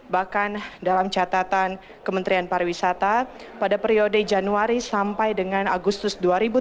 bahkan dalam catatan kementerian pariwisata pada periode januari sampai dengan agustus dua ribu tujuh belas